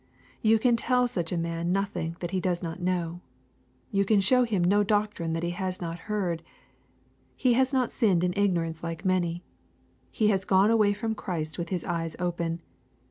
You can tell such a man nothing that he does not know. You can show him no doctrine that he has not heard. He has not sinned in ignorance like many. He has gone away from Christ with his eyes open.